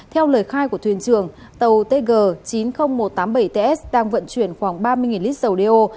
theo lời khai của thuyền trường tàu tg chín mươi nghìn một trăm tám mươi bảy ts đang vận chuyển khoảng ba mươi lít dầu đeo